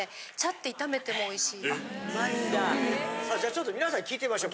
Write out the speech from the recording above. ちょっと皆さんに聞いてみましょ。